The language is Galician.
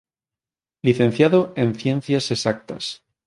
Licenciado en Ciencias Exactas.